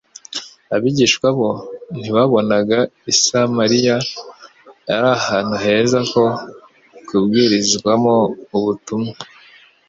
Abigishwa bo ntibabonaga i Samariya ari ahantu heza ho kubwirizwamo ubutumwa.